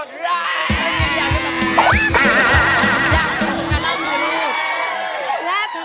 อยากทำงานรักโอเคนี่